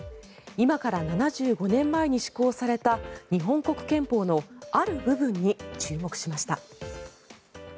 今から７５年前に施行された日本国憲法のある部分に注目しました。